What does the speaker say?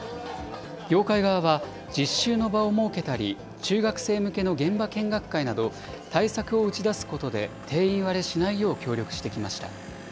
業界側は、実習の場を設けたり、中学生向けの現場見学会など、対策を打ち出すことで定員割れしないよう協力してきました。